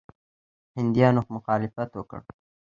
هندیانو مخالفت وکړ.